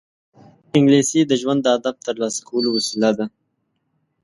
انګلیسي د ژوند د هدف ترلاسه کولو وسیله ده